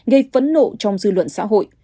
gây phấn nộ trong dư luận xã hội